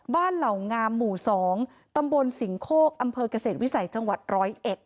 เหล่างามหมู่๒ตำบลสิงโคกอำเภอกเกษตรวิสัยจังหวัดร้อยเอ็ด